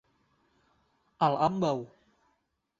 Al ambaŭ.